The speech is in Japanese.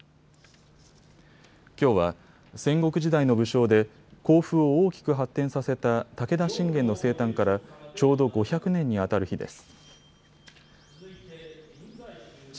きょうは戦国時代の武将で甲府を大きく発展させた武田信玄の生誕からちょうど５００年にあたる日です。